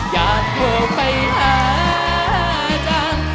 อยากเพลงไปหาจัง